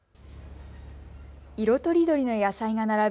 色とりどりの野菜が並ぶ